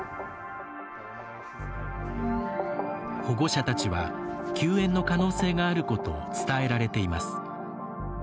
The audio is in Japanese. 保護者たちは休園の可能性があることを伝えられています。